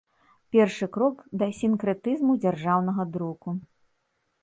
Першы крок да сінкрэтызму дзяржаўнага друку.